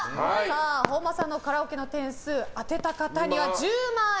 本間さんのカラオケの点数を当てた方には１０万円。